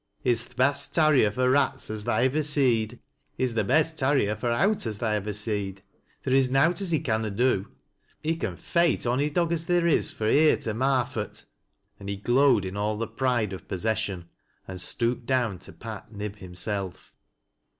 He's th' best tarrier fur rats as tha ivver seed. He's th' best tarrier for owt as tha ivver seed. Theer in nowt as he canna do. He con feight ony dog as theer is fro' heer to Marfort." And he glowed in all the pride of possession, and stooped down to pat Mb himself.